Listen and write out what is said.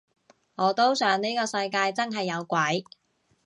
我都想呢個世界真係有鬼